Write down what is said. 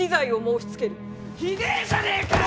ひでえじゃねえかよ！